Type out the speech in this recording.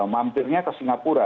mampirnya ke singapura